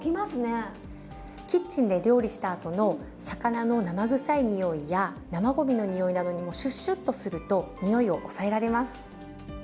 キッチンで料理したあとの魚の生臭い臭いや生ごみの臭いなどにもシュッシュッとすると臭いを抑えられます。